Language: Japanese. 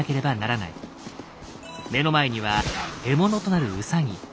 目の前には獲物となるウサギ。